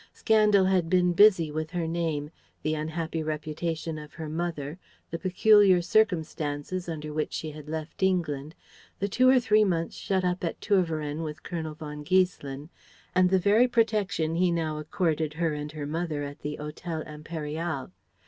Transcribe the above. Scandal had been busy with her name the unhappy reputation of her mother, the peculiar circumstances under which she had left England, the two or three months shut up at Tervueren with Colonel von Giesselin, and the very protection he now accorded her and her mother at the Hotel Impérial.